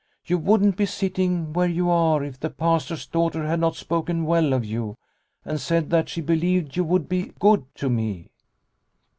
You wouldn't be sitting where you are if the Pastor's daughter had not spoken well of you, and said that she believed you would be good to me."